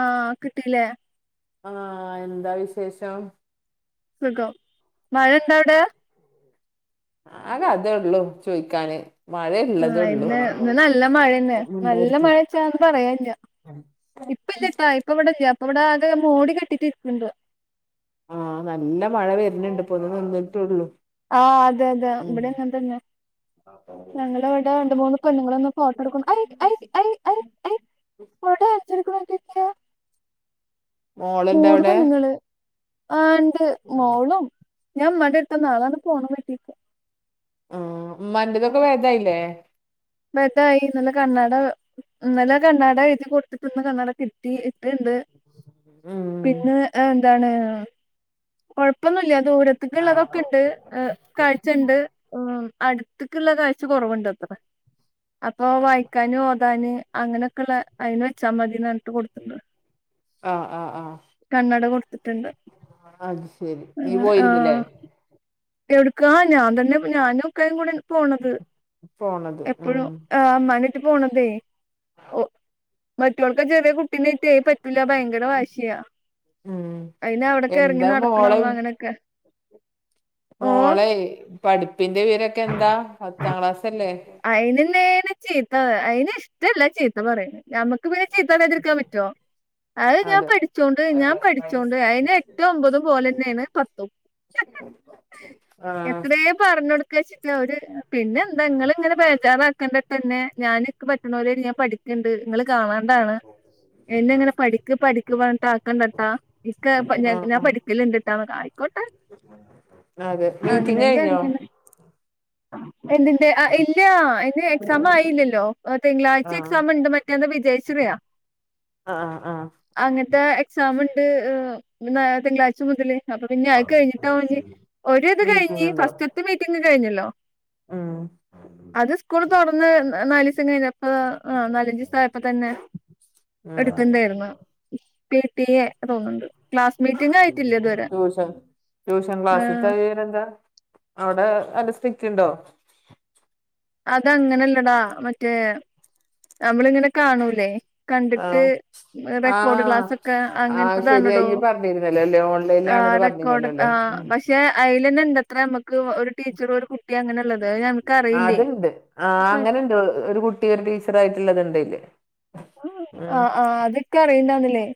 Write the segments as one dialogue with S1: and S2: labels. S1: ആഹ് കിട്ടീല്ലേ
S2: ആഹ് എന്താ വിശേഷം?
S1: സുഖം. മഴ ഉണ്ടൊ അവ്ടെ?
S2: ആകെ അതേ ഒള്ളു ചോയ്ക്കാന്.
S1: ആഹ് ഇന്ന് ഇന്ന് നല്ല മഴന്നെ. നല്ല മഴച്ചാ ഒന്നും പറയാല്ല.
S2: ആഹ
S1: [unintelligible] ട്ടാ ഇപ്പ ഇവടെ ഇല്ല്യാ. ഇപ്പ ഇവടെ ആകെ മൂടി കെട്ടീറ്റ് ഇരിക്ണ്ട്.
S2: ആഹ് നല്ല മഴ വരുന്ണ്ട്. ഇപ്പൊ ഒന്നു നിന്നിട്ടൊള്ളു.
S1: ആഹ് അതെ അതെ. ഇവടിം അങ്ങെൻ തന്നെ. ഞങ്ങടെ വെടെ രണ്ട് മൂന്ന് പെണ്ണ്ങ്ങളെന്നും ഫോട്ടോ എടുക്കും അയ് അയ് അയ് അയ് അയ് ഫോട്ടോ കാണിച്ചൊടുക്കും പർഞ്ഞിട്ട് ങ്ങനെ.
S2: മോളുണ്ട്
S1: മൂന്ന്
S2: അവിടെ
S1: പെണ്ണുങ്ങള്. ആഹ് ണ്ട് മോളും ഞാൻ ഇമ്മാടെ എട്ത്താ. നാളാണ്ട് പോണം വീട്ടീക്ക്
S2: ആഹ് ഇമ്മാൻ്റെതൊക്കെ ഭേദായില്ലേ?
S1: ഭേതായി. ഇന്നലെ കണ്ണട ഇന്നലെ കണ്ണാട എഴ്തി കൊടുത്തിട്ടു ഇന്ന് കണ്ണാട കിട്ടി. ഇട്ട്ണ്ട്.
S2: ഉം
S1: പിന്നെ എന്താണ് കുഴപ്പൊന്നുല്ല. ദൂരത്ത്ക്ക് ഇള്ളതൊക്കെ ഇണ്ട്. എഹ് കാഴ്ച ണ്ട്. ഉം അട്ത്ത്ക്ള്ള കാഴ്ച കൊറവ്ണ്ട് അത്രെ. അപ്പൊ വായിക്കാന് ഓതാന് അങ്ങനെക്കെള്ളെ അതിന് വെച്ചാൽ മതി ന്നർനിട്ട് കൊടുത്തിണ്ട്.
S2: ആഹ് ആഹ് ആഹ്
S1: കണ്ണട കൊട്ത്തിട്ടുണ്ട്.
S2: ആഹ് അത് ശെരി നീ പോയിരുന്ന് ലേ.
S1: എവിട്ക്കാ. ഞാൻ തന്നെ ഞാനും ഉപ്പയും കൂടെ പോണത്.
S2: പോണത് ഉം
S1: എപ്പഴും ആഹ് ഇമ്മാനായിട്ട് പോണതേ. ഒ മറ്റോൾക്കേ ചെറിയ കുട്ടിനേയ്റ്റേ പ പ്പില്ല ഭയങ്കര വാശിയാ.
S2: ഉം
S1: അയിന് അവിടൊക്കെ എറങ്ങി
S2: എന്താ മോളെ
S1: നടക്കണംന്ന് അങ്ങന്യൊക്കെ.
S2: മോളെ പഠിപ്പിന്റെ വിവരൊക്കെ എന്താ. പത്താം ക്ലാസ്സല്ലേ.
S1: അയിനെന്നേണ് ചീത്ത അയിന് ഇഷ്ടല്ല ചീത്ത പറിണത്. ഞമ്മക്ക് പിന്നെ ചീത്തറ്യാതിര്ക്കാൻ പറ്റോ. അത് ഞാൻ
S2: അതെ
S1: പഠിച്ചോണ്ട് ഞാൻ പഠിച്ചോണ്ട് അയിന് എട്ടും ഒമ്പതും പോലെന്നെണ് പത്തും.
S2: ആഹ്
S1: എത്രേ പർഞ്ഞൊട്ക്കാ വെച്ചിട്ട അവര് പിന്നെ എന്താ ഇങ്ങള് ഇങ്ങനെ ബേജാറാക്കണ്ടട്ടൊന്നെ ഞാന് ഇക്ക് പറ്റ്ണ പോലേണ് ഞാൻ പഠിക്ക്ണ്ട് ഇങ്ങള് കാണാണ്ടാണ്. എന്നെ ഇങ്ങനെ പഠിക്ക് പഠിക്ക് പറഞ്ഞിട്ട് ആക്കണ്ടട്ടാ. ഇക്ക് എഹ് പ ഞ
S2: ആഹ്
S1: ഞാൻ
S2: ആഹ്
S1: പഠിക്കല്ണ്ട്ട്ടാ ആയിക്കോട്ടെ
S2: അതെ. മീറ്റിംഗ് കഴിഞ്ഞോ?
S1: എന്തിൻ്റെ? ഇല്ലാ അയ്ന് എക്സാം ആയില്ലല്ലോ. തിങ്കളാഴ്ച
S2: ആഹ്
S1: എക്സാം ണ്ട്. മറ്റേ അന്ന് വിജയശ്രീയാ.
S2: അ ആ ആ
S1: അങ്ങട്ടെ എക്സാം ഉണ്ട് ഇനി നാ തിങ്കളാഴ്ച മുതല് അപ്പൊ പിന്നെ അത് കഴിഞ്ഞിട്ടവന് ഒരു ഇത്
S2: മീറ്റിംഗ്
S1: കഴിഞ്ഞ്
S2: ഉണ്ടാവും
S1: ഫസ്റ്റ്ത്തേ മീറ്റിംങ്‌ കഴിഞ്ഞല്ലോ
S2: ഉം
S1: അത് സ്കൂൾ തുറന്ന് നാലിസം കഴിഞ്ഞ് ആ് ആ് നാലഞ്ചീസായപ്പതന്നെ
S2: ഉം
S1: എടുക്കണ്ടേര്ന്നു പി ടി എ തോന്ന്ണ്ട്
S2: ട്യൂഷൻ ട്യൂഷൻ ക്ലാസിത്ത
S1: ആഹ്
S2: വിവര ന്താ അവടെ നല്ല സ്ട്രിറ്റ് ഇണ്ടോ
S1: അതങ്ങനല്ലടാ മറ്റേ നമ്മൾങ്ങനെ കാണൂലേ കണ്ട്ട്ട്
S2: ആഹ്
S1: റക്കോട്
S2: ആഹ്
S1: ക്ലാസ്സൊക്കെ
S2: ആഹ് ശരിയാ
S1: അങ്ങൻത്തതാണടോ
S2: ഇയ്യ് പറഞ്ഞിരുന്നല്ലോ അല്ലേ
S1: ആ
S2: ഓൺലൈനിലാണെന്ന്
S1: റ
S2: പറഞ്ഞിരുന്നല്ലോ
S1: [unintelligible] ആ
S2: അല്ലേ ഉം
S1: അയ്ലന്നേ ഇണ്ടത്ര മ്മക്ക് ഒരു ടീച്ചറും ഒരു കുട്ടിം അങ്ങനെള്ളത് അത് ഞങ്ങക്ക് അറിയില്ല
S2: അതുണ്ട് ആഹ് അങ്ങനണ്ട് ഒരു കുട്ടി ഒരു ടീച്ചർ ആയിട്ട്ള്ളത്ണ്ട് അയ്ല്
S1: ആഹ് ആഹ് അതെനിക്കെ അറിയണ്ടന്നല്ലേ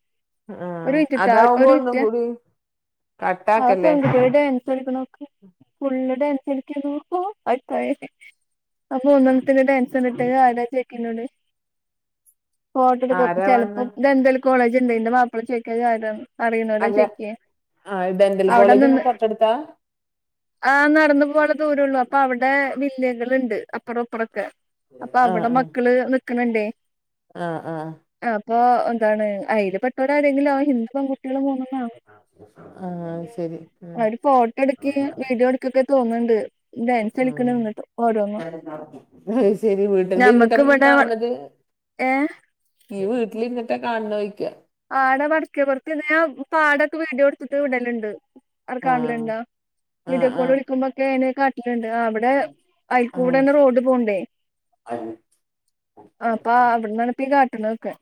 S1: ഒരു
S2: ആഹ്
S1: മിനിറ്റ് ഇത്ത
S2: അതാവുമ്പോ
S1: ഒരു
S2: ഒന്നും
S1: മിനിറ്റെ
S2: കൂടി
S1: ആ
S2: കട്ടാക്കല്ലേ
S1: [unintelligible] നോക്ക് ഫുള്ള് [unintelligible] ഓ അഭിപ്രായവേ അപ്പൊ ഒന്നമത്തിന്റെ ടെൻഷൻ ഇട്ട കഴിഞ്ഞ ആരാ ചോദിക്കണത് ഓൾറെഡി തം
S2: ആരാ വന്ന്
S1: ചിലപ്പോം ദന്തൽ കോളേജ് ഇണ്ടേനു ന്റെ മാപ്പിള ചോദിക്ക ഇത് ആരാന് അറിയുന്നവരാനൊന്നു
S2: അല്ല
S1: ചോദിക്ക
S2: ആഹ് ഡെന്റൽ
S1: അവിടെ
S2: കോളേജ്
S1: നിന്ന്
S2: നിങ്ങളെ തൊട്ടടുത്താ
S1: ആഹ് നടന്നു പോണ ദൂരള്ളൂ അപ്പൊ അവിടെ വില്ലകൾണ്ട് അപ്പുറം ഇപ്പറൊക്കെ അപ്പൊ
S2: ആഹ്
S1: അവിടെ
S2: ആഹ്
S1: മക്കള് നിക്കണ് ണ്ടേ
S2: ആഹ് ആഹ്
S1: അപ്പൊ എന്താണ് അയിൽപ്പെട്ടോരാരെങ്കിലും അവൻ ഹിന്ദു പെൺകുട്ടികളും പോകുന്നുണ്ടാവും
S2: ആഹ് ശരി ഉം
S1: അവര് ഫോട്ടോ എടുക്ക് വീഡിയോ എടുക്കൊക്കെ തോന്നണ്ട്
S2: ഉം [unintelligible] അത് ശരി വീട്ടിന്റെ ഇരിന്നട്ടാ
S1: ഞമ്മക്ക്
S2: നീ
S1: ഇവിടെ
S2: കാണണത്
S1: ഏ
S2: നീ വീട്ടിൽ ഇരിന്നിട്ട് കാണോരിക്ക്
S1: ആ ടാ വടക്കെ പുറത്ത്നിന്നയാ പാടൊക്കെ വീഡിയോ എടുത്തിട്ട് വിടലുണ്ട് അവിടെ
S2: ആഹ്
S1: കാണലുണ്ടോ
S2: ആഹ്
S1: വിഡിയോ കാള്
S2: ആഹ്
S1: വിളിക്കുമ്പോക്കെ എന്നെ കാ വടണ്ട് അവിടെ അയിക്കൂടെ
S2: ആഹ്
S1: തന്നെ റോഡ് പോണ്ടേ ആ അപ്പോ അവിടന്നാണിപ്പി കാട്ടാ ണതോക്കെ.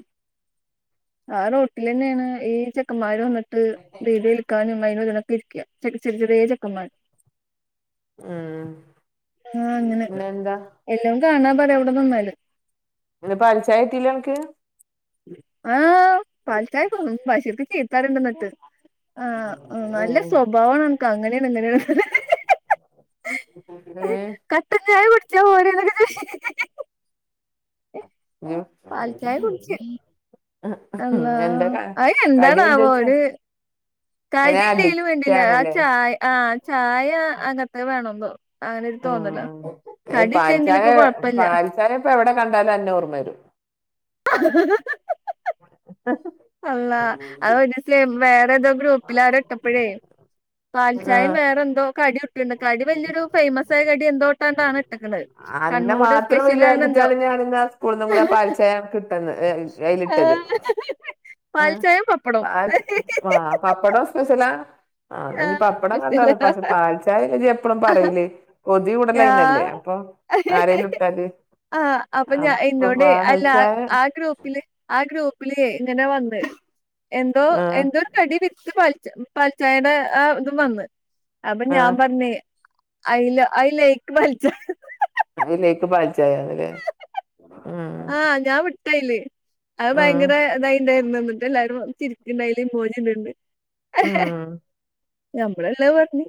S1: ആ റോട്ടില് തന്നെയാണ് ഈ ചെക്കന്മാര് വന്നിട്ട് വീഡിയോ എടുക്കാനും അയിന് ഇവിടെക്കെ ഇരിക്ക്യാ ചെടി ചെട ചെടെ ചെക്കന്മാര്
S2: ഉം
S1: ആഹ് അങ്ങനെക്കേ
S2: പിന്നെന്താ
S1: എല്ലും കാണാൻ ഇവിടെ നിന്നാല്
S2: ന്നലെ പാൽ ചായ കിട്ടീലല്ലോനക്ക്
S1: ആഹ് പഞ്ചായത്തോ [unintelligible] ആഹ് മ്
S2: ഉം
S1: നല്ല സ്വഭാബാമാണ് നിങ്ങ്ക്ക് അങ്ങനെയാണ് [unintelligible]
S2: ഏഹ്
S1: കട്ടൻചായ കുടിച്ച പോലെ [inaudible]
S2: ഉം
S1: പാൽച്ചായ കുടിച്ച് അള്ളാ
S2: എന്താ ക
S1: അതിന്
S2: കടി എന്താ
S1: എന്താണാവോ
S2: വെച്ച
S1: ഒരു
S2: അയിന്
S1: കടില്ലേലും
S2: അഡിക്റ്റ്
S1: വേണ്ടില്ല ആ
S2: ആണല്ലേ
S1: ചായ ആഹ് ചായ അങ്ങത്തെ വേണപ്പോ അങ്ങനെരു തോന്നലാ
S2: ആഹ്
S1: തടി ഇല്ലെങ്കിലും ഇപ്പ കൊഴപ്പില്ല
S2: ഞാൻ ഇപ്പൊ എവിടെം കണ്ടാലും അന്നെ ഓർമ്മ വരും അ
S1: അള്ളാ അത് ഒരിസേ മേ ന്തോ ഗ്രൂപ്പിലാരോ ഇട്ടപ്പോഴേ പാൽച്ചായയും
S2: ആഹ്
S1: വേറെന്തോ കടിയും കടി വലിയൊരു ഫേയ്മസ് ആയ കടി എന്തോട്ടാണ്ന്നാണ് ഇട്ടക്കണത് കണ്ണൂര് സ്പെഷ്യൽ ആണ് എന്തോ
S2: ആണന്ത കൂടുന്നും കൂടെ ആ പാൽച്ചായ കിട്ടന്ന് ഏ അതിലിട്ടത്
S1: പാൽച്ചായയും പപ്പടവും
S2: ആ പപ്പടം സ്പെഷ്യലാ ആ എന്നാ ഇനി പപ്പടം കണ്ടാറയും പക്ഷെ പാൽച്ചായ ഇനി എപ്പഴും പറയിലേ കൊതി കൂടൽ
S1: ഞാ
S2: അയ്നല്ലേ അപ്പൊ ആരേലും ഇട്ടാല്
S1: ആഹ് അപ്പൊ ഞാ എന്നോടയ് അല്ല ആ ഗ്രൂപ്പില് ആ ഗ്രൂപ്പിലേ ഇങ്ങന വന്ന് എന്തോ
S2: ആ
S1: എന്തോ കടി വിത്ത് പാൽച്ചാ പാൽച്ചായുടെ ആ ഇതും വന്ന് അപ്പൊ
S2: ആ
S1: ഞാൻ പറഞ്ഞേ അയില അയിലേക്ക് പാൽച്ചായ
S2: അതിലേക്ക് പാൽച്ചായ തന്നുല്ലേ ഉം
S1: ആഹ് ഞാൻ വിട്ടായില് അത്
S2: ഉം
S1: ഭയങ്കര ഇതായിണ്ടായിരുന്നു ടെ എല്ലാരും ചിരിക്കണ്ടായിലെ മോജിണ്ടണ്ട്
S2: ഉം
S1: നമ്മളെല്ലാം പറഞ്ഞു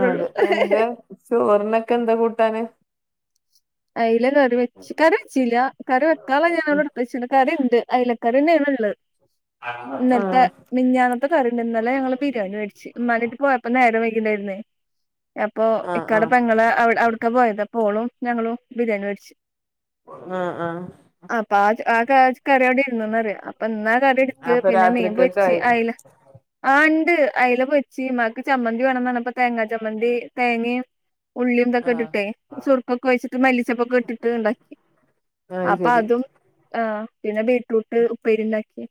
S2: ആഹ് അതെ എന്താ ചോറിനൊക്കെ എന്താ കൂട്ടാന്
S1: അയില കറി വെച്ച് കറി വെച്ചില്ല കറി വെക്കാളാ ഞാൻവിടെ എടുത്ത് വച്ച് കറിണ്ട് അലക്കറിന്നെയാണ് ഉള്ളത്
S2: ആ
S1: ഇന്നലത്തെ മിനഞ്ഞാ ത്ത കറിണ്ട് ഇന്നലേ ഞങ്ങൾ ബിരിയാണി വേടിച്ച് ഇമ്മാനെന്റ് പോയപ്പ നേരം വൈകി ണ്ടായിര്ന്ന് അപ്പൊ
S2: ആ ആ
S1: ഇക്കാടെ പെങ്ങളെ അവിടേ അവ്ട്ക്ക പോയത് അപ്പോളും ഞങ്ങളും ബിരിയാണി വേട്ച്ച്
S2: ആഹ് ആഹ്
S1: അപ്പ [unintelligible] കറി അവടെ ഇരുന്നുന്ന് ന്നറ അപ്പന്നാ കറിട്ത്ത്
S2: അപ്പൊ
S1: പിന്നെ മീൻ
S2: രാത്രിക്കൊക്കെ
S1: പൊരിച്ച്
S2: ആയി
S1: അയ്ല ആ ഇണ്ട് അയ്‌ല പൊരിച്ച് ഇമ്മാക്ക് ചമ്മന്തി വേണഠന്നർഞ്ഞപ്പൊ തേങ്ങാ ചമ്മന്തി തേങ്ങിം ഉള്ളിം തൊക്കെ
S2: ആഹ്
S1: ഇട്ട്ടെ സുർക്കൊക്കൊയിച്ച് മല്ലിച്ചപ്പൊക്കെ ഇട്ട്ട്ട് ഇണ്ടാക്കി
S2: അത്
S1: അപ്പ
S2: ശരി
S1: അതും ആഹ് പിന്നെ ബീറ്റ്റൂട്ട് ഉപ്പേരിണ്ടാക്കി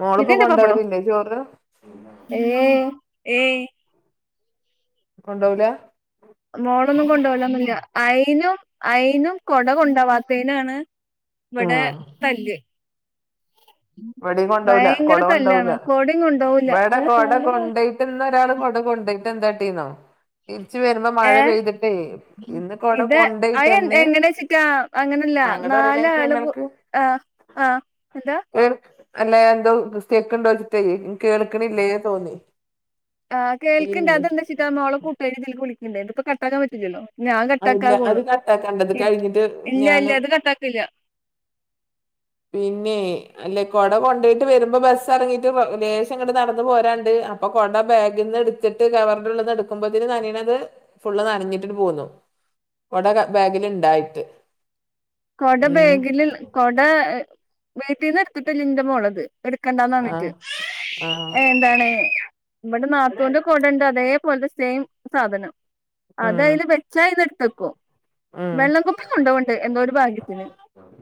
S2: മോള്പ്പ
S1: പിന്നെണ്ട്
S2: കൊണ്ടോവൽ
S1: പപ്പടം
S2: ഇല്ലേ ചോറ്
S1: ഏഹ് ഏയ്
S2: കൊണ്ടോവുല
S1: മോളൊന്നും കൊണ്ടോവലൊന്നുല്ല അയ്നും അയ്നും കൊട കൊണ്ടോവാത്തേ നാൺ ഇവടെ
S2: ആഹ്
S1: തല്ല്
S2: ഇവടിം കൊണ്ടോവൂല കൊട
S1: ബയങ്കര
S2: കൊണ്ടോവൂല
S1: തല്ലാണ് കൊടിം കൊണ്ടോവൂല
S2: ഇവിടെ കൊട
S1: [unintelligible]
S2: കൊണ്ടോയിട്ട് ഇന്ന് ഒരാൾ കൊട കൊണ്ടോയ്ട്ട് എന്താട്ടീന്നോ തിരിച്ചു വരുമ്പോ മഴ
S1: ഏ
S2: പെയ്തിട്ടേ ഇന്ന് കൊട
S1: ഇത് അത്
S2: കൊണ്ടയ്ട്ടന്നെ.
S1: എങ്ങനെച്ചിട്ടാ അങ്ങനല്ല
S2: അങ്ങട്ട് പറിണ് കേൾക്ക്ണ്
S1: നാലാള്
S2: ഇല്ലേ അന്ക്ക്
S1: ആഹ് ആഹ് എന്താ
S2: അല്ല എന്തോ സ്റ്റ്ക്ക് ഇണ്ടോചിട്ടയ് കേൾക്ക്ണില്ലേ തോന്നി
S1: ആഹ് കേൾക്ണ്ട്
S2: പിന്നെ
S1: അതെന്താച്ച്ട്ടാ മോളെ കൂട്ടാരി ഇതിൽക് വിളിക്ക്ണ്ടേ ഇത്പ്പോ കട്ടാക്കാ പറ്റില്ല ല്ലാ ഞാൻ കട്ടാക്കാ
S2: ഇല്ല അത്
S1: കോളും
S2: കട്ടാക്കണ്ട ഇത്
S1: ഇ
S2: കഴിഞ്ഞിട്ട്
S1: ഇല്ല ഇല്ല
S2: ഞാന്
S1: ഇത് കട്ടാക്കില്ല
S2: പിന്നെ അല്ലെ കൊട കൊണ്ടായിറ്റ് വരുമ്പോ ബസ് എറങ്ങിട്ട് ലേശങ്ങട്ട് നടന്ന് പോരാണ്ട് അപ്പൊ കൊട ബാഗ്‌ന് എട് ത്തിട്ട് കവർന്റെ ഉള്ള് ന്ന് ട്ക്കുമ്പോത്തിന് നനിണത് ഫുള്ള് നനഞ്ഞിട്ട്ണ്ട് പോന്നു കൊട ക ബാഗിൽ ഇണ്ടായിട്ട്
S1: കൊട
S2: ഉം
S1: ബേഗ്ൽ കൊട ഹ് വീട്ട്ന്ന് ഇട്ത്ത് ട്ടില്ല ന്റമോള്ത് എടുക്കണ്ടാന്നർഞ്ട്ട്
S2: ആഹ് ആഹ്
S1: എന്താണ് ഇപടെ നാത്തൂന്റെ കൊടണ്ട് അതേപോൽതെ സെയിം സാധനം
S2: ഉം
S1: അതയ്ല് വെ ച്ചായ്ന്ന്ട്ത്തെക്കും
S2: ഉം
S1: വെള്ളം കുപ്പി കൊണ്ടോവ്ണ്ട് എന്തോര് ത്തിന്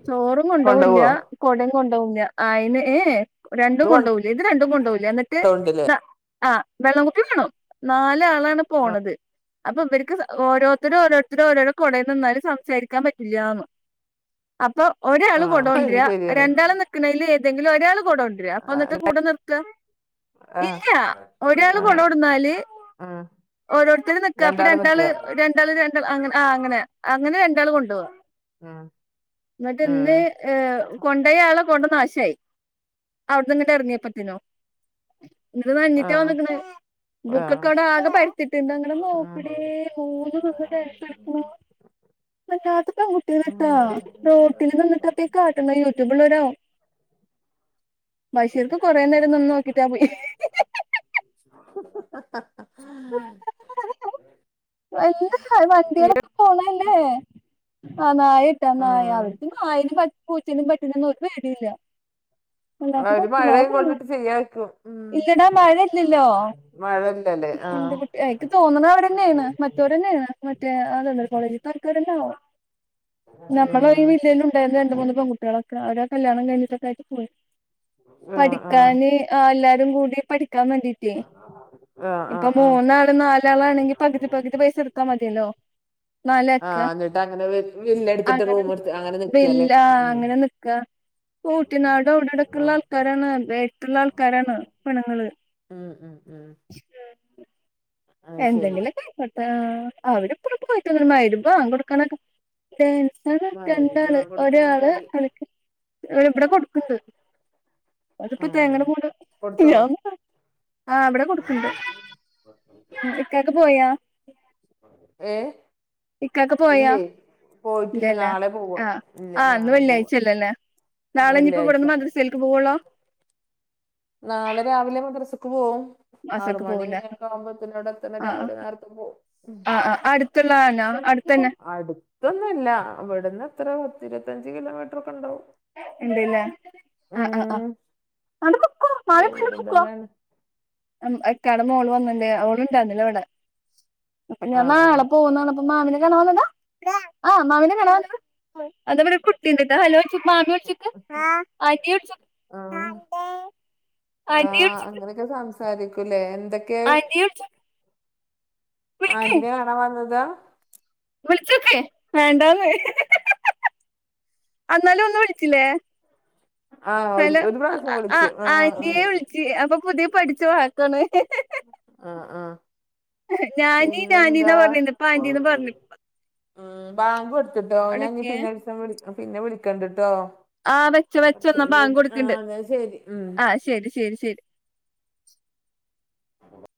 S1: ചോറും കൊണ്ടോവ് ല്ല
S2: കൊണ്ടോവോ
S1: കൊടിം കൊണ്ടോവ് ല്ല അയ്ന് ഏ ഏ രണ്ടും
S2: അത്
S1: കൊണ്ടോവുല ഇത് രണ്ടും കൊണ്ടോവുല ന്ന്ട്ട്
S2: കൊണ്ടോവ്ണ്ടല്ലേ
S1: ആഹ് വെള്ളം കുപ്പിം വാണം നാലാൺ പോണത് അപ്പൊ ഇവര്ക്ക് സ ഓരോര്ത്തരോര്ത്തര് ഓരോരോ കോടേ നിന്നാല് സംസാരിക്കാൻ പറ്റില്ലാന്ന് അപ്പൊ ഒരാൾ
S2: ആഹ് അത്
S1: കൊടൊണ്ട്ര
S2: ശരിയാണ്
S1: രണ്ടാൾ നിക്ക്ണേൽ ഏതെങ്കിലും ഒരാൾ കൊടൊ ണ്ട് [unintelligible] കൂടെ നിർത്ത
S2: ആഹ് ആഹ്
S1: ഇല്ല്യ ഒരാള് കൊടട്ന്നാല്
S2: ഉം
S1: ഓരോര്ത്തര് ന്ക്കാ അപ്പൊ
S2: രണ്ടാള്
S1: രണ്ടാൾ
S2: നിക്ക
S1: രണ്ടാൾ രണ്ട ആ അങ്ങനെ. ആ അങ്ങനെ. അങ്ങനെ രണ്ടാള് കൊണ്ടാവാ.
S2: ആഹ്.
S1: ന്നട്ട് ന്ന് ഏ കൊണ്ടേയാള് കൊണ്ട് [unintelligible] നാശായി. അവട്ന്ന്ങ്ങട്ട് എർങ്ങിയപ്പത്തിനും. ന്നട്ട് നനഞ്ഞിട്ടാ
S2: ആഹ്
S1: വന്ന് ക്ക്ണെ
S2: ആഹ്
S1: ബുക്കൊക്കവ്ടെ ആകെ പരത്തിട്ട് ന്നങ്ങണ്
S2: ഉം
S1: ന്നോക്കണേ മൂന്നും നിന്ന്ട്ട് ടാൻസെൾക്കിണു.
S2: [inaudible]
S1: വല്ലാത്ത [unintelligible]
S2: ഉം
S1: ട്ടോ റോട്ടില് നിന്നിട്ട് എത്തേ കാട്ട്ണെ യൂട്യൂബ്ള്ളോരാവും. ബഷീർക്ക കൊറേ നേരം നിന്ന് നോക്കിട്ട് അ പൊയ്.
S2: ഹ് ഹ് ഹ ഹ.
S1: വല്ല്യ‌ [unintelligible] വണ്ടിളൊക്കെ പോണല്ലേ? ആ നായട്ടൊ നായ.
S2: ഉം
S1: അവര്ക്ക് നായനിം, പട്ടി, പൂച്ചനിം, പട്ടിനൊന്നും ഒരു പേടില്യ.
S2: അവര് [unintelligible] ചെയ്യാ രിക്കും.
S1: ഇല്ലടാ മഴ ഇല്ലല്ലോ
S2: മ് മഴല്ലലേ. ആഹ്
S1: എയ്ക്ക് തോന്ന്ണെ അവരന്നെയ്ര്ന്ന്. മറ്റോരന്നായിര്ന്ന്. മറ്റേ ആ ദന്തൽ കോളേജ്‌ത്തെ ആൾക്കാരെന്നാവും. നമ്മളെ ഈ
S2: ഉം
S1: വില്ലേലും ണ്ടായിര്ന്ന് രണ്ട്, മൂന്ന് പെങ്കുട്ടേള്. അവരെ കല്യാണം കഴിഞ്ഞിട്ടൊക്കെ ആയിട്ട് പോയി.
S2: ആഹ് ആഹ്
S1: പഠിക്കാന് ആഹ്. എല്ലാരുംകൂടി പഠിക്കാൻ വേണ്ടി റ്റ്യേ.
S2: ആഹ് ആഹ്
S1: ഇപ്പം
S2: ആഹ്
S1: മൂന്നാളും, നാലാളാണെങ്കി പക് തി, പ ക് തി പൈസ ഇട്ത്താമതില്ലോ? നാലാക്ക.
S2: ആഹ് എന്നിട്ട് അങ്ങനെ വില്ലെടുത്തിട്ട്
S1: അങ്ങനെ
S2: റൂം എടുത്ത് അങ്ങനെ നിക്കല്ലേ
S1: ബില്ലാ
S2: ഉം
S1: അങ്ങനെ നിക്കാ. ഊട്ടിനാടൊ [unintelligible] ട്ക്ക് ള്ള
S2: ആഹ്
S1: ആൾക്കാരാണ്. [unintelligible] ആൾക്കാരാണ് പെണ്ണ്ങ്ങള്.
S2: ഉം ഉം ഉം അത് ശരി
S1: എന്തെങ്കിലൊക്കെ [unintelligible] അവര് [unintelligible] വാങ്കൊട്ക്ക്ണ [unintelligible]
S2: മഗ്‌രിബ്
S1: രണ്ടാള്.
S2: ബാങ്ക് കൊടുക്കാനൊക്കെ
S1: ഒരാള്
S2: ആയി
S1: [unintelligible] വ്‌ടെ കൊട്ക്ക്ണ്ട്. അത്പ്പൊ
S2: ഉം
S1: തേങ്ങൻ്റെ [unintelligible]
S2: കൊടുത്തോ
S1: ഞാ [unintelligible] ആ വ്‌ടെ കൊട്ക്ക്ണ്ട്. ഇക്കാക്ക പോയോ?
S2: ഏ
S1: ഇക്കാക്കപോയൊ?
S2: പോയിട്ടില്ല
S1: ഇല്ല്യല്ല.
S2: നാളെ പോവാ
S1: ആഹ്.
S2: ഇല്ല
S1: ആന്ന്
S2: നാളെ പോവാ
S1: വെള്ളിയാഴ്ചല്ലല്ലേ. നാളെഞ്ഞിപ്പം
S2: വെള്ളിയാഴ്ച
S1: വ്ടെന്ന് മദ്രസേൽക്ക് പോവൊള്ളോ?
S2: നാളെ രാവിലെ മദ്രസ്ക്ക് പോവും.
S1: മദ്രസക്ക്
S2: ആറുമണി
S1: പോവൂല
S2: എക്കാവുമ്പോത്തിനവ്‌ടെ എത്തണെ രാവിലെ നേരത്തെ പോവും.
S1: അ അഹ്. അട് ത്ത്ള്ളെന്നെ. അട്ത്തെന്നെ.
S2: അടുത്തൊന്നുല്ല. ഇവട്ന്ന് എത്ര പത്തിരുപത്തഞ്ച് കിലോമീറ്ററൊക്കെണ്ടാവും.
S1: ണ്ട്ലെ. ആഹ് ആഹ് ആഹ്. ആണ്ട് പൊക്കോ. മഴകൊള്ളും
S2: ദൂരം
S1: പൊക്കോ.
S2: തന്നെയാണ്
S1: അം. ഇക്കാടെ മോള് വന്ന്ണ്ടെ. ഓള് ണ്ടായിര്ന്ന്ല്ല വടെ. അപ്പം
S2: ആ
S1: ഞാൻ
S2: ആ
S1: നാളെ പോവുന്നർഞ്ഞപ്പ പ്പം. മാമിനെ കാണാ വന്നതാ. ആ. മാമിനെ കാണാ വന്നതാ [unintelligible] ട്ടിണ്ട്ട്ടോ. ഹലോയ്ച്ചോ മാമിയ്ചോക്ക്. ആൻ്റി ചോക്ക്.
S2: ആ
S1: ആൻ്റീ ൾച്ചോക്ക്.
S2: ക്കെ സംസാരിക്കൂലെ. എന്ത
S1: ആൻ്റീൾച്ച.
S2: ആന്റിനെ കാണാവന്നതാ
S1: വിൾച്ചോക്ക്. വേണ്ടാന്ന് അന്നാലും ഒന്നുവിളിച്ചില്ലേ.
S2: ആ ഒരു
S1: ഹലോ
S2: ഒരു
S1: അഹ്
S2: പ്രാവശ്യം
S1: അഹ്
S2: വിളിച്ചു
S1: അഹ്
S2: ആ ആ.
S1: ആൻ്റീ‌വിളി ജി. ഇ എ അപ്പൊ പുതിയ പഠിച്ചവാക്കണ്.
S2: ആഹ് ആഹ്.
S1: ഞാനീ ഞാനിന്നാ പറഞ്ഞിന്നെ. ഇപ്പ ആന്റിന്ന് പറഞ്ഞി.
S2: ആഹ്. ബാങ്കൊട്ത്ത്ട്ടോ. ഞാഞ്ഞി
S1: അവിടൊക്കെ
S2: പിന്നെ ഒരീസം വിളിക്ക. പിന്നെ വിളിക്കണ്ട് ട്ടോ.
S1: ആഹ്. വെച്ചൊ.
S2: കുറച്ച്
S1: വെച്ചൊന്നാ.
S2: കഴിഞ്ഞിട്ട് ആ
S1: ബാങ്കോട്ക്ക്ണ്ട്.
S2: എന്നാ ശരി ഉം
S1: ആഹ്. ശരി ശരി ശരി.